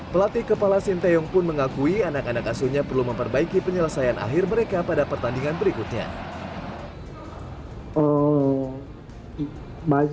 pelatih kepala sinteyong pun mengakui anak anak asuhnya perlu memperbaiki penyelesaian akhir mereka pada pertandingan berikutnya